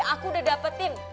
aku udah dapetin